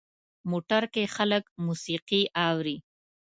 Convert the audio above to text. موټر کې خلک موسیقي اوري.